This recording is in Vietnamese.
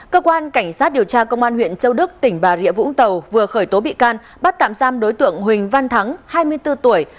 cơ quan cảnh sát điều tra công an huyện châu đức tỉnh bà rịa vũng tàu vừa khởi tố bị can bắt tạm giam đối tượng huỳnh văn thắng hai mươi bốn tuổi